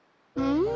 うん！